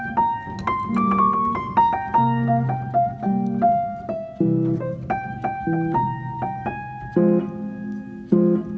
pak bisa lebih cepat nggak pak